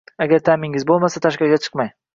Agar ta'mingiz bo'lmasa, tashqariga chiqmang